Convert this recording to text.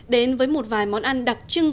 đến với một vài món ăn đặc trưng